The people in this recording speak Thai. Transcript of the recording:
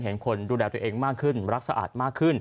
เห็นคนดูแลตัวเองมากขึ้นรักสะอาดมากขึ้น